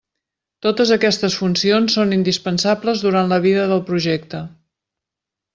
Totes aquestes funcions són indispensables durant la vida del projecte.